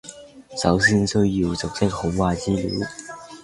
首先需要熟悉好壞資料